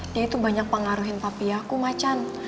dia itu banyak pengaruhin papi aku macan